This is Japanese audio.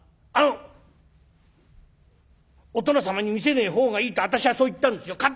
あのお殿様に見せねえ方がいいって私はそう言ったんですよ。